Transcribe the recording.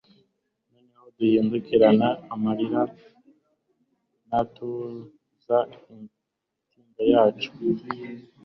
noneho duhindukirana, amarira ntatuza intimba zacu